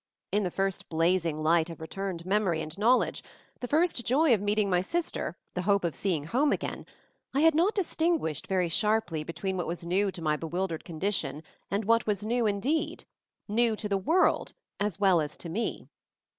In the first blazing light of returned memory and knowledge, the first joy of meeting my sis ter, the hope of seeing home again, I had not distinguished very sharply between what was new to my bewildered condition and what was new indeed — new to the world as well as to me.